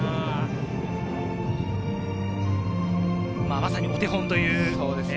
まさにお手本という。